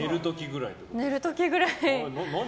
寝る時ぐらい。